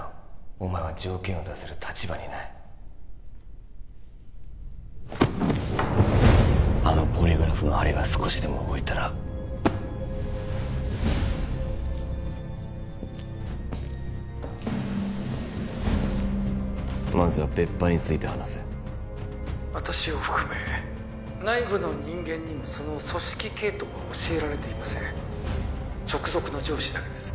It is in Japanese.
お前は条件を出せる立場にないあのポリグラフの針が少しでも動いたらまずは別班について話せ私を含め内部の人間にもその組織系統は教えられていません直属の上司だけです